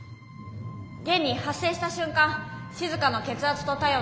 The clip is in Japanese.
現に発生した瞬間しずかの血圧と体温の上昇